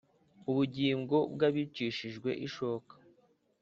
ubugingo bw abicishijwe ishoka.